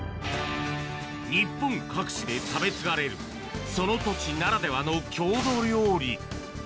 日本各地で食べ継がれる、その土地ならではの郷土料理。